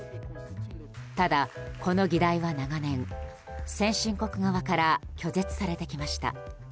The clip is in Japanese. ただ、この議題は長年先進国側から拒絶されてきました。